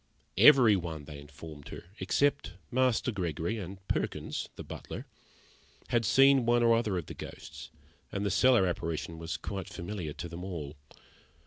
Every one, they informed her, except Master Gregory and Perkins (the butler) had seen one or other of the ghosts, and the cellar apparition was quite familiar to them all.